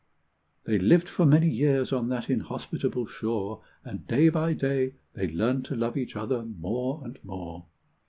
They lived for many years on that inhospitable shore, And day by day they learned to love each other more and more.